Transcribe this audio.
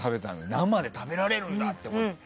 生で食べられるんだって思って。